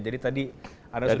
jadi tadi ada sudah